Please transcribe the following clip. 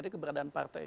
jadi keberadaan partai